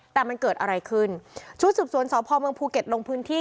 แต่มันเกิดอะไรขึ้นชุดสืบสวนสพเมืองภูเก็ตลงพื้นที่